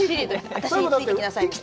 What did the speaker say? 私についてきなさいって。